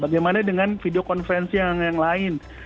bagaimana dengan video conference yang lain